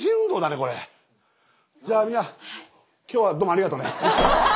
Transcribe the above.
じゃあみんな今日はどうもありがとうね。